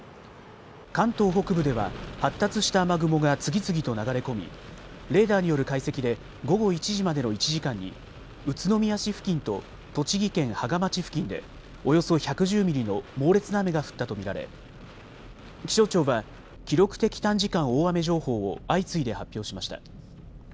関東北部では発達した雨雲が次々と流れ込み、レーダーによる解析で午後１時までの１時間に宇都宮市付近と栃木県芳賀町付近でおよそ１１０ミリの猛烈な雨が降ったと見られ気象庁は記録的短時間大雨情報を相次いで発表しました。